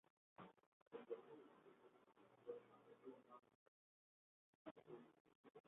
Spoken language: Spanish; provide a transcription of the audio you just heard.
La cabeza de la empresa es el productor Masato "Max" Matsuura.